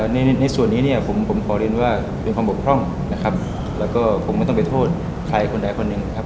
มีการที่จะพยายามติดศิลป์บ่นเจ้าพระงานนะครับซุกุพิเศียงก็ได้ร้องทุกข์กับ